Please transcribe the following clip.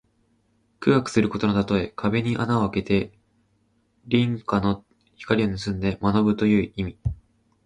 苦学することのたとえ。壁に穴をあけて隣家の光をぬすんで学ぶという意味。